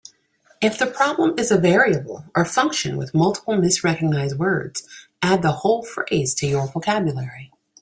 If the problem is a variable or function with multiple misrecognized words, add the whole phrase to your vocabulary.